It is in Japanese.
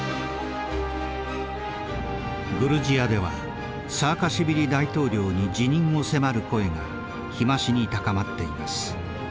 グルジアではサーカシビリ大統領に辞任を迫る声が日増しに高まっています。